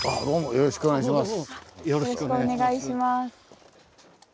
よろしくお願いします。